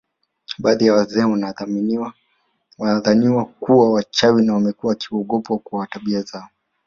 Baadhi ya wazee wanadhaniwa kuwa wachawi na wamekuwa wakiogopwa kwa tabia zao